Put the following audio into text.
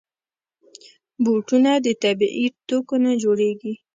بوټونه د طبعي توکو نه جوړېږي.